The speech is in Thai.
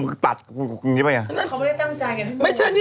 เขาไม่ได้ตั้งใจ